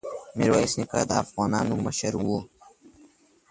ميرويس نيکه د افغانانو مشر وو.